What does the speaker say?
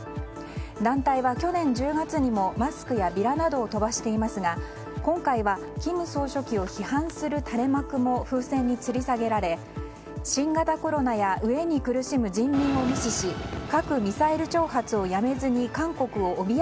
団体は、去年１０月にもマスクやビラなどを飛ばしていますが今回は金総書記を批判する垂れ幕も風船につり下げられ新型コロナや飢えに苦しむ人民を無視しやさしいマーン！！